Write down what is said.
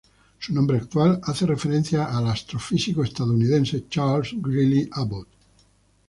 Su nombre actual hace referencia al astrofísico estadounidense Charles Greeley Abbot.